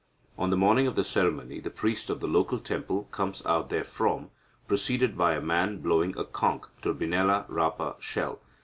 "On the morning of the ceremony, the priest of the local temple comes out therefrom, preceded by a man blowing a conch (Turbinella rapa) shell.